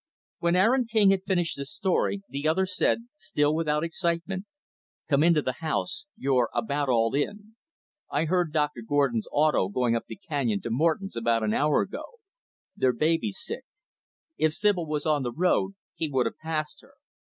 When Aaron King had finished his story, the other said, still without excitement, "Come into the house. You're about all in. I heard Doctor Gordan's 'auto' going up the canyon to Morton's about an hour ago. Their baby's sick. If Sibyl was on the road, he would have passed her.